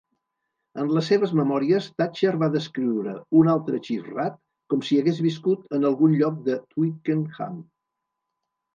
En les seves memòries, Thatcher va descriure un altre "Chief Rat" com si hagués viscut en algun lloc de Twickenham.